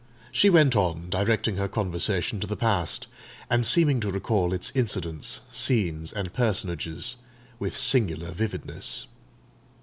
She went on directing her conversation to the past, and seeming to recall its incidents, scenes, and personages, with singular vividness.